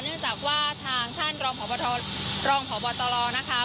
เนื่องจากว่าทางท่านรองพบตรนะคะ